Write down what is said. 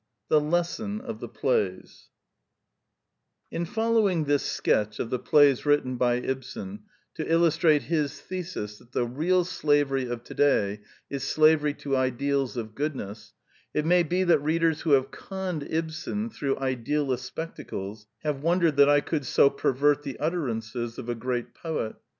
THE LESSON OF THE PLAYS In following this sketch of the plays written by Ibsen to illustrate his thesis that the real slavery of today is slavery to ideals of goodness, it may be that readers who have conned Ibsen through idealist spectacles have wondered that I could so pervert the utterances of a great poet.